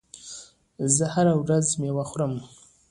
زه هره ورځ میوه خورم.